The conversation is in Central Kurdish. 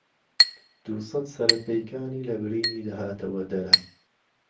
دووسەت سهره پهیکانی له برینی دههاتهوه دهره